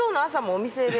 お店で。